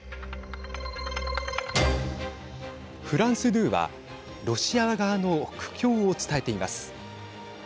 フランス２はロシア側の苦境を伝えています。